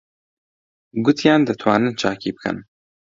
گوتیان دەتوانن چاکی بکەن.